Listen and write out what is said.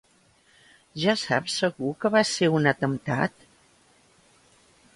Ja saps segur que va ser un atemptat?